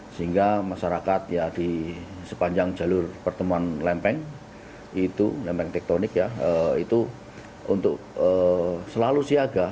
sehingga masyarakat ya di sepanjang jalur pertemuan lempeng itu lempeng tektonik ya itu untuk selalu siaga